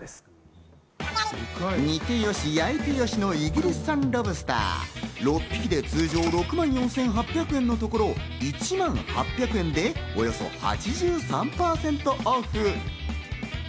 煮てよし、焼いてよしのイギリス産ロブスター、６匹で通常６万４８００円のところ、１万８００円でおよそ８３％オフ。